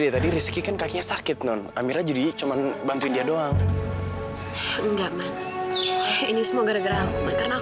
tadi aku demikian ketangan kamu di depan amira